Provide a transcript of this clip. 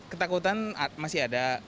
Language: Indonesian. ketakutan masih ada